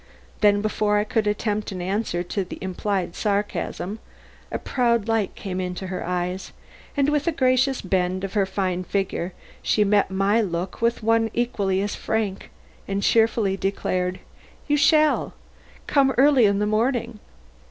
Then before I could attempt an answer to the implied sarcasm a proud light came into her eyes, and with a gracious bend of her fine figure she met my look with one equally as frank, and cheerfully declared: "You shall. Come early in the morning."